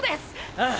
ああ！！